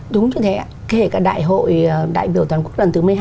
đúng như thế ạ kể cả đại hội đại biểu toàn quốc lần thứ một mươi hai